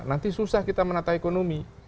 nanti susah kita menata ekonomi